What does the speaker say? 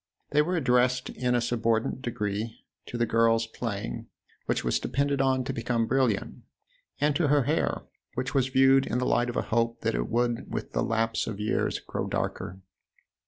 They were addressed in a subordinate degree to the girl's " playing," which was depended on to become brilliant, and to her hair, which was viewed in the light of a hope that it would with the lapse of years grow darker.